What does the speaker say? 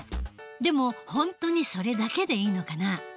でも本当にそれだけでいいのかな？